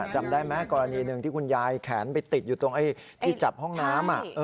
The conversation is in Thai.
จำได้ไหมกรณีหนึ่งที่คุณยายแขนไปติดอยู่ตรงที่จับห้องน้ำ